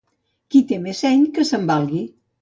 Qui té més seny que se'n valgui.